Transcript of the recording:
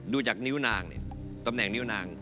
ดูจากนิ้วนาง